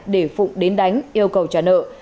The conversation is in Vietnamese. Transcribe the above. để phụng đến đánh yêu cầu trả nợ